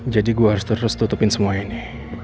jadi gue harus terus tutupin semua ini